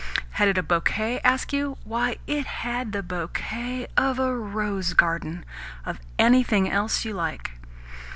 Had it a bouquet, ask you? Why, it had the bouquet of a rose garden, of anything else you like.